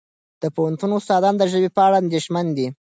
د پوهنتون استادان د ژبې په اړه اندېښمن دي.